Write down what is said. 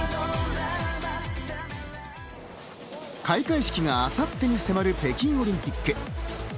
開会式が明後日に迫る北京オリンピック。